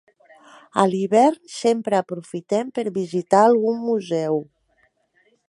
A l'hivern sempre aprofitem per visitar algun museu.